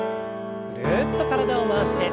ぐるっと体を回して。